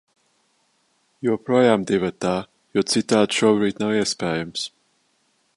Joprojām divatā, jo citādi šobrīd nav iespējams.